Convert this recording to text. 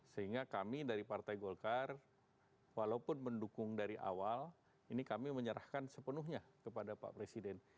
sehingga kami dari partai golkar walaupun mendukung dari awal ini kami menyerahkan sepenuhnya kepada pak presiden